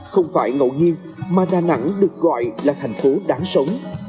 không phải ngẫu nhiên mà đà nẵng được gọi là thành phố đáng sống